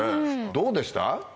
どうでした？